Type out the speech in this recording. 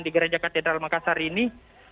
di gereja katedral makassar ini